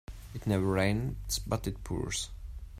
It never rains but it pours.